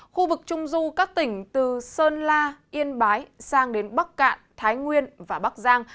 khu vực trung du các tỉnh từ sơn la yên bái sang đến bắc cạn thái nguyên và bắc giang